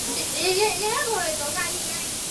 黑多拉是哥斯拉系列电影中出现的一只怪兽。